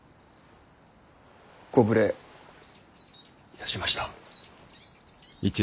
ご無礼いたしました。